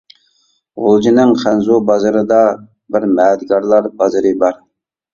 غۇلجىنىڭ خەنزۇ بازىرىدا بىر مەدىكارلار بازىرى بار.